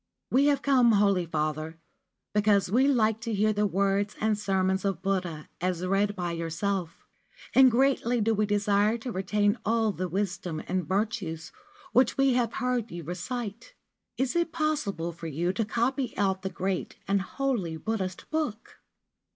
' We have come, holy father, because we like to hear the words and sermons of Buddha as read by yourself, and greatly do we desire to retain all the wisdom and virtues which we have heard you recite. Is it possible for you to copy out the great and holy Buddhist book